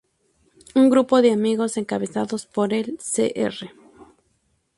Un grupo de amigos encabezado por el Sr.